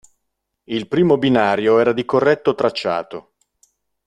Il primo binario era di corretto tracciato.